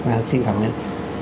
vâng xin cảm ơn